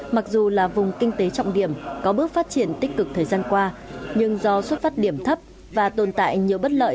mặc dù là vùng kinh tế trọng điểm có bước phát triển tích cực thời gian qua nhưng do xuất phát điểm thấp và tồn tại nhiều bất lợi